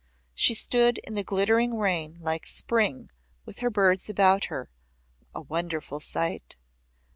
She stood in the glittering rain like Spring with her birds about her a wonderful sight.